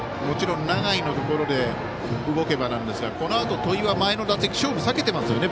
もちろん永井のところで動けばなんですがこのあと戸井は前の打席勝負を避けています。